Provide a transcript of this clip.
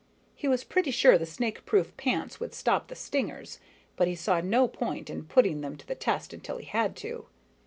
He was pretty sure the snakeproof pants would stop the stingers, but he saw no point in putting them to the test until he had to.